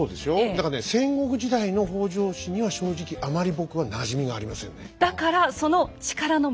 だからね戦国時代の北条氏には正直あまり僕はなじみがありませんね。